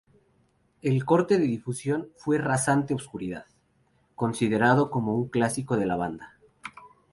El corte de difusión fue "Rasante oscuridad", considerado como un clásico de la banda.